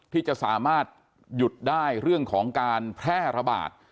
ที่จะสามารถหยุดได้เรื่องของการแพร่ระบาด